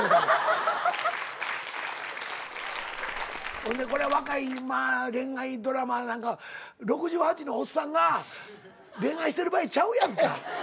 ほんでこれ若い恋愛ドラマなんか６８のおっさんが恋愛してる場合ちゃうやんか。